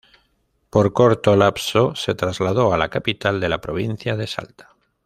Por corto lapso se trasladó a la capital de la provincia de Salta.